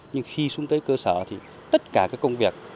nhưng khi xuống tới cơ sở thì tất cả các công việc